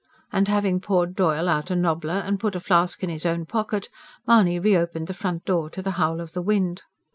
And having poured Doyle out a nobbler and put a flask in his own pocket, Mahony reopened the front door to the howl of the wind.